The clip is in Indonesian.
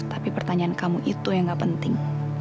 tapi pertanyaan kamu itu yang gak penting